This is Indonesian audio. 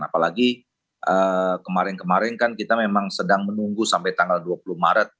apalagi kemarin kemarin kan kita memang sedang menunggu sampai tanggal dua puluh maret